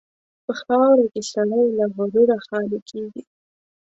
په خاوره کې سړی له غروره خالي کېږي.